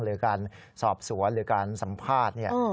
หรือการสอบสวนหรือการสัมภาษณ์